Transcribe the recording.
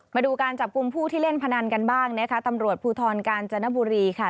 มาดูการจับกลุ่มผู้ที่เล่นพนันกันบ้างนะคะตำรวจภูทรกาญจนบุรีค่ะ